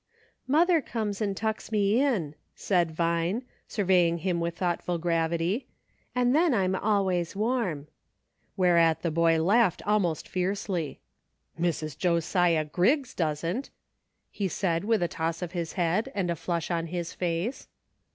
" Mother comes and tucks me in," said Vine, 8 EIGHT AND TWELVE. surveying him with thoughtful gravity, "and then I'm always warm." Whereat the boy laughed almost fiercely. "Mrs. Josiah Griggs doesn't! " he said, with a toss of his head and a flush on his face.